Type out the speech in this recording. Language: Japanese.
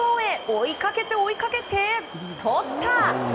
追いかけて、追いかけてとった！